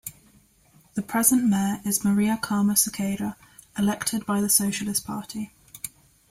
The present mayor is Maria Carmo Sequeira, elected by the Socialist Party.